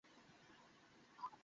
Game খেলা আমার শেষ, বন্ধু।